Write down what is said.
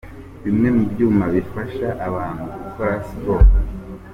Bimwe mu byuma bifasha abantu gukora Siporo.